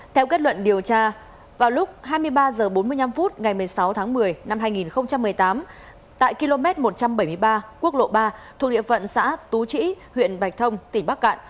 theo kết luận điều tra vào lúc hai mươi ba h bốn mươi năm phút ngày một mươi sáu tháng một mươi năm hai nghìn một mươi tám tại km một trăm bảy mươi ba quốc lộ ba thuộc địa phận xã tú trĩ huyện bạch thông tỉnh bắc cạn